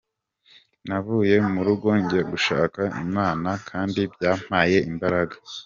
Navuye mu rugo njya gushaka Imana kandi byampaye imbaraga.